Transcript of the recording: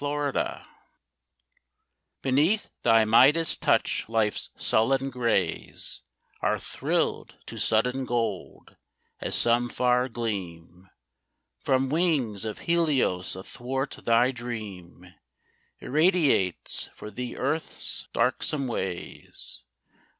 To a Singer Beneath thy Midas touch life's sullen grays Are thrilled to sudden gold; as some far gleam From wings of Helios athwart thy dream Irradiates for thee earth's darksome ways.